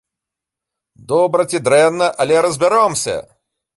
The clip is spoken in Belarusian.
Добра ці дрэнна, але разбяромся!